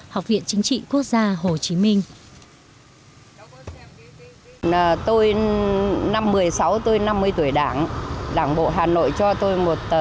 học viện chính trị quốc hội